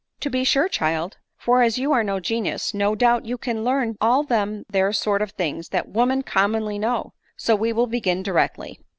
" To be sure, child ; for, as you are no genius, no doubt you can learn all them there sort of things that women commonly know ; so we will begin directly."